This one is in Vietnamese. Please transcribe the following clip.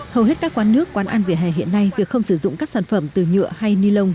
hầu hết các quán nước quán ăn vỉa hè hiện nay việc không sử dụng các sản phẩm từ nhựa hay ni lông